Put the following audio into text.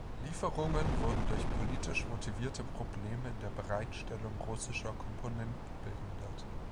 Lieferungen wurden durch politisch motivierte Probleme in der Bereitstellung russischer Komponenten behindert.